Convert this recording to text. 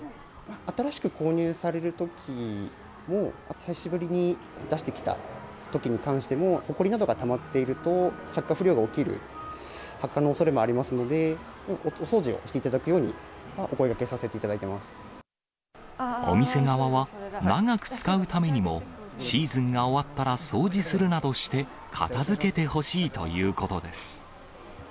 新しく購入されるときも、久しぶりに出してきたときに関しても、ほこりなどがたまっていると、着火不良が起きる、発火のおそれもありますので、お掃除をしていただくようには、お店側は、長く使うためにも、シーズンが終わったら掃除するなどして、片づけてほしいということです。